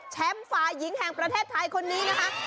แชมป์ฝายิงแห่งประเทศไทยคนนี้นะคะ